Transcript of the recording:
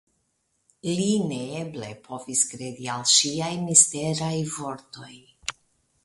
Li neeble povis kredi al ŝiaj misteraj vortoj.